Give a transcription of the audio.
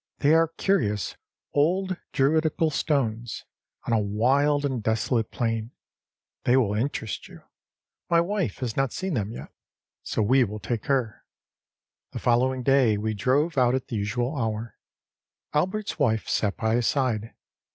They are curious old Druidical stones, on a wild and desolate plain. They will interest you. My wife has not seen them yet, so we will take her.â The following day we drove out at the usual hour. Albertâs wife sat by his side.